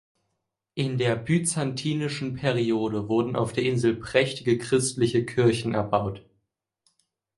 In der byzantinischen Periode wurden auf der Insel prächtige christliche Kirchen erbaut.